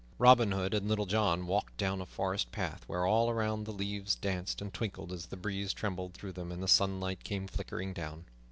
Robin Hood and Little John walked down a forest path where all around the leaves danced and twinkled as the breeze trembled through them and the sunlight came flickering down.